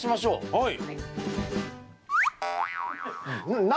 はい。